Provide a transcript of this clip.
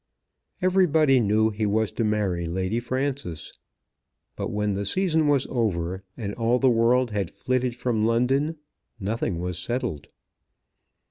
Everybody knew he was to marry Lady Frances. But when the season was over, and all the world had flitted from London, nothing was settled.